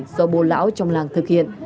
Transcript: do bồ lão trong làng thực hiện